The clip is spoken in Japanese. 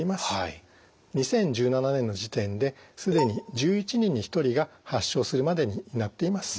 ２０１７年の時点で既に１１人に１人が発症するまでになっています。